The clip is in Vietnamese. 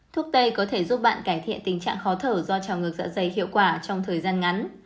thuốc tây có thể giúp bạn cải thiện tình trạng khó thở do trào ngược dạ dày hiệu quả trong thời gian ngắn